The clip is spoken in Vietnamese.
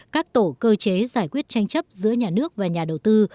các tổ cơ chế giải quyết tranh chấp giữa nhà nước và nhà đầu tư